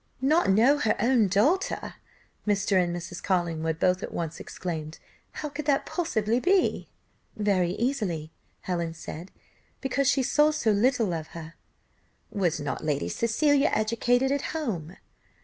"Not know her own daughter!" Mr. and Mrs. Collingwood both at once exclaimed, "How could that possibly be?" "Very easily," Helen said, "because she saw so little of her." "Was not Lady Cecilia educated at home?"